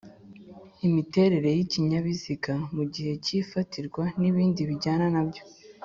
Imiterere y'ikinyabiziga mu gihe cy'ifatirwa n'ibindi bijyana nacyo.